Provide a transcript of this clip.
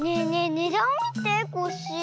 ねだんをみてコッシー。